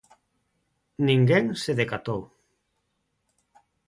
Ninguén se decatou.